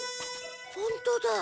ほんとだ。